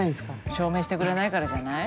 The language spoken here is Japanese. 証明してくれないからじゃない？